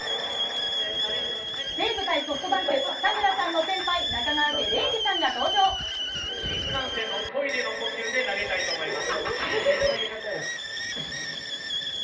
西武対ソフトバンク、田村さんの先輩、新幹線のトイレの呼吸で投げたいと思います。